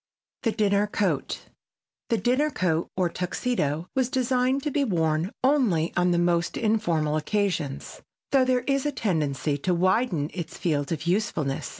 [Sidenote: THE DINNER COAT] The dinner coat, or Tuxedo, was designed to be worn only on the most informal occasions, though there is a tendency to widen its field of usefulness.